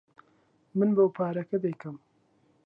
من بۆ پارەکە دەیکەم.